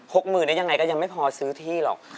หมื่นได้ยังไงก็ยังไม่พอซื้อที่หรอก